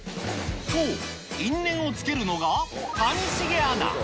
そう、因縁をつけるのが、上重アナ。